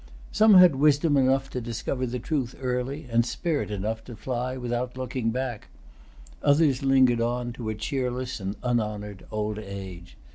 Some had wisdom enough to discover the truth early, and spirit enough to fly without looking back; others lingered on to a cheerless and unhonored old age.